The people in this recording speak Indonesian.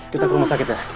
kita ke rumah sakit ya